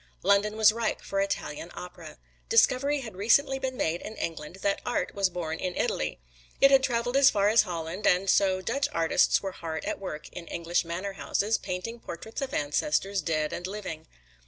London was ripe for Italian Opera. Discovery had recently been made in England that Art was born in Italy. It had traveled as far as Holland, and so Dutch artists were hard at work in English manor houses, painting portraits of ancestors, dead and living.